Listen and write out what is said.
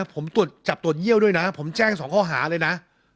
ผมตรวจจับตรวจเยี่ยวด้วยนะผมแจ้ง๒ข้อหาเลยนะ